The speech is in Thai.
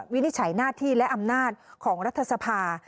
วินิจฉัยหน้าที่และอำนาจของรัฐสภา